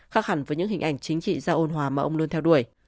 khác hẳn với những hình ảnh chính trị gia ôn hòa mà ông luôn theo đuổi